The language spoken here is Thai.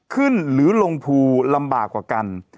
หรือลงภูลำบากกว่ากัน